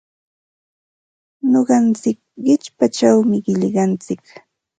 Nuqantsik qichpachawmi qillqantsik.